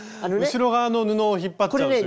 後ろ側の布を引っ張っちゃうというか。